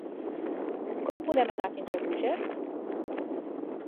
Com podem anar fins a Búger?